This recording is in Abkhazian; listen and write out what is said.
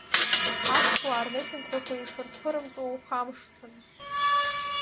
Аԥсуаа рнышәынҭрақәа ишырԥырымҵуа ухамышҭын.